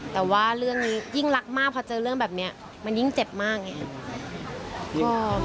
แต่ว่าเรื่องนี้ยิ่งรักมากพอเจอเรื่องแบบนี้มันยิ่งเจ็บมากไง